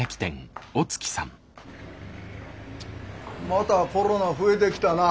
またコロナ増えてきたな。